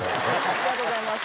ありがとうございます。